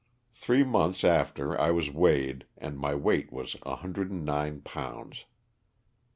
Three months after I was weighed and my weight was 109 pounds.